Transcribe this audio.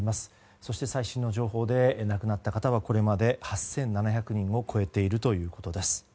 そして最新情報で亡くなった方はこれまでで８７００人を超えているということです。